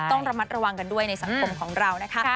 ต้องระมัดระวังกันด้วยในสังคมของเรานะคะ